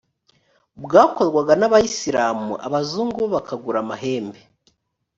bwakorwaga n abayisiramu abazungu bo bakagura amahembe